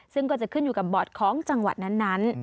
ซึ่งก็จะขึ้นอยู่กับบอร์ดของจังหวัดนั้น